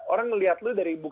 orang ngeliat lu dari